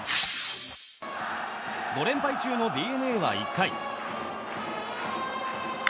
５連敗中のＤｅＮＡは１回。